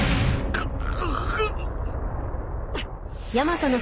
くっ。